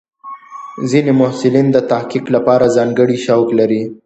ځینې محصلین د تحقیق لپاره ځانګړي شوق لري.